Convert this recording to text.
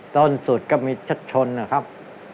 ต้นสุดก็มีชัดชนนะครับ